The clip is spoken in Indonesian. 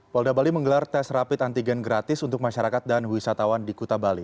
polda bali menggelar tes rapid antigen gratis untuk masyarakat dan wisatawan di kuta bali